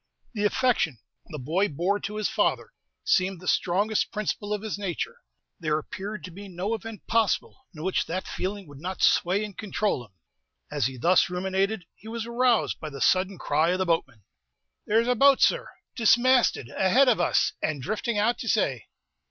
The affection the boy bore to his father seemed the strongest principle of his nature. There appeared to be no event possible in which that feeling would not sway and control him. As he thus ruminated, he was aroused by the sudden cry of the boatman. "There's a boat, sir, dismasted, ahead of us, and drifting out to say."